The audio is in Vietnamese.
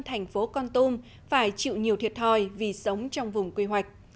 thành phố con tum phải chịu nhiều thiệt thòi vì sống trong vùng quy hoạch